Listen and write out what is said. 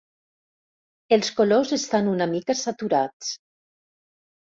Els colors estan una mica saturats.